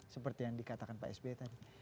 seperti yang dikatakan pak sby tadi